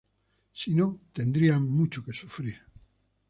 Si no, tendrían mucho que sufrir.